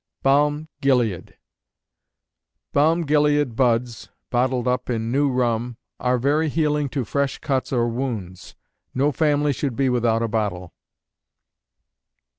Balm Gilead. Balm gilead buds, bottled up in new rum, are very healing to fresh cuts or wounds. No family should be without a bottle.